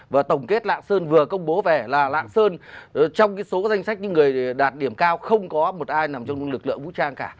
và tổng kết lạng sơn vừa công bố về là lạng sơn trong số danh sách những người đạt điểm cao không có một ai nằm trong lực lượng vũ trang cả